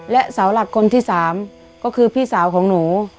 และสาวหลักคนที่๓ก็คือพี่สาวของหนู